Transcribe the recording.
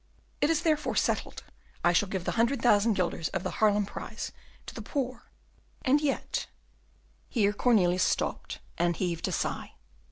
It is therefore settled I shall give the hundred thousand guilders of the Haarlem prize to the poor. And yet " Here Cornelius stopped and heaved a sigh.